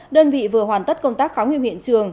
đơn vị vừa hoàn tất công tác khám nghiệm hiện trường